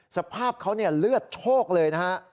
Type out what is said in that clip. สภาพเขาเลือดโชคเลยนะฮะ